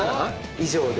以上で。